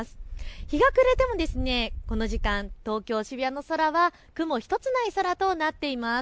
日が暮れても、この時間東京渋谷の空は雲一つない空となっています。